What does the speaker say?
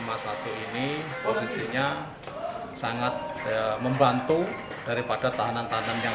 posisinya sangat membantu daripada tahanan tahanan